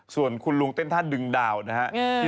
ส่วนคุณลุงเต้นท่าดึงดาวนะครับ